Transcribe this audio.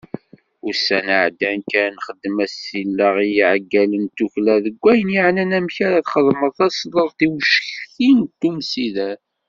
Ussan iɛeddan kan, nexdem asileɣ i yiɛeggalen n tddukkla deg wayen yeɛnan amek ara txedmeḍ tasleḍt i ucekti n umsider.